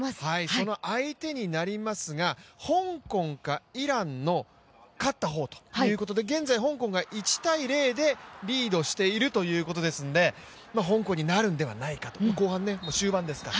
その相手になりますが香港のイランの勝った方ということで、現在、香港が１−０でリードしているということですので、香港になるんではないかと、もう後半終盤ですから。